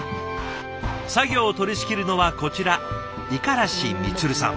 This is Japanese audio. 作業を取りしきるのはこちら五十嵐充さん。